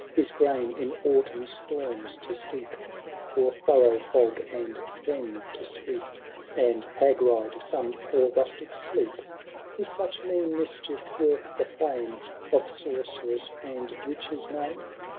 His grain in autumn storms to steep, Or thorough fog and fen to sweep. 140 HAROLD THE DAUNTLB8S. CoMio II, And hag ride some poor ru8tic*i deep ! Is such mean mischief worth the fame Of sorceress and witch's name